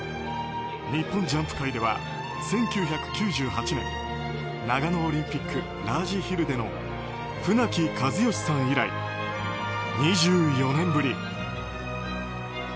日本ジャンプ界では１９９８年長野オリンピックラージヒルでの船木和喜さん以来２４年ぶり。